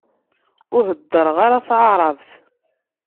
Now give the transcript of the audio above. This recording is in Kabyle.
Ur heddreɣ ara taεrabt.